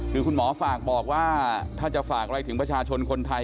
คือคุณหมอฝากบอกว่าถ้าจะฝากอะไรถึงประชาชนคนไทย